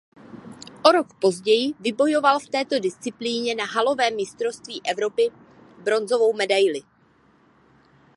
O rok později vybojoval v této disciplíně na halovém mistrovství Evropy bronzovou medaili.